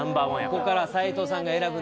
ここから齋藤さんが選ぶ